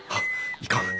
いかん！